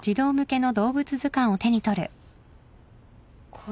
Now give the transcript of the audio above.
これ。